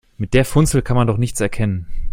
Mit der Funzel kann man doch nichts erkennen.